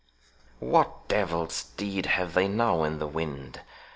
"What devil's deed have they now in the wind?"